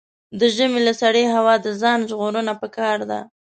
د ژمي له سړې هوا د ځان ژغورنه پکار ده.